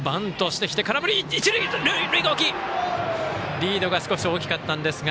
リードが少し大きかったんですが。